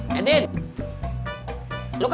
ntar gua jalan dulu ya